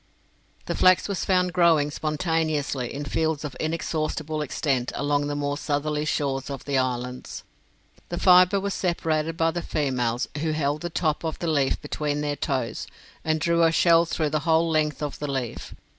The flax was found growing spontaneously in fields of inexhaustible extent along the more southerly shores of the islands. The fibre was separated by the females, who held the top of the leaf between their toes, and drew a shell through the whole length of the leaf.